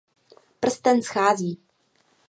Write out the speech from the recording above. Prsten schází.